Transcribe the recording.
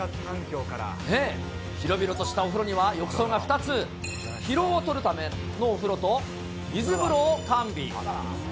広々としたお風呂には、浴槽が２つ、疲労を取るためのお風呂と水風呂を完備。